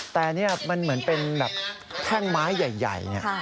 แต่นี่มันเหมือนเป็นแบบแท่งไม้ใหญ่เนี่ย